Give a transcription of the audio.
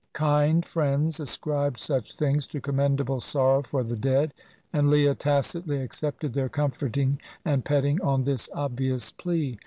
Kind friends ascribed such things to commendable sorrow for the dead, and Leah tacitly accepted their comforting and petting on this obvious plea.